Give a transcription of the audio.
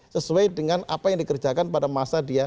sesuai dengan apa yang dikerjakan pada masa dia